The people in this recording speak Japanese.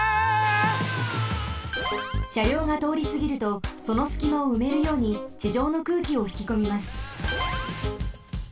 しゃりょうがとおりすぎるとそのすきまをうめるようにちじょうの空気をひきこみます。